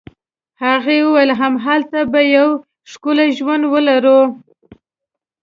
هغې وویل: همالته به یو ښکلی ژوند ولرو.